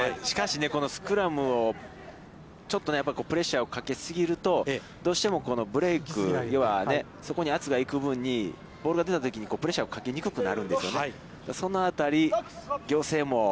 しかし、スクラムをちょっとプレッシャーをかけ過ぎるとどうしてもブレイクには、そこに圧が行く分にボールが出たときに、プレッシャーをかけにく